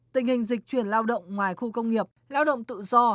tình hình dịch chuyển lao động ngoài khu công nghiệp lao động tự do